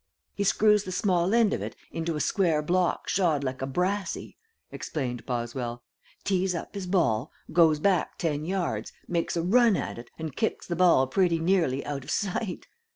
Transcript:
"He screws the small end of it into a square block shod like a brassey," explained Boswell, "tees up his ball, goes back ten yards, makes a run at it and kicks the ball pretty nearly out of sight.